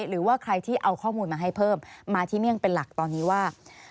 หรือว่าใครที่เอาข้อมูลมาให้เพิ่มมาที่เมี่ยงเป็นหลักตอนนี้ว่า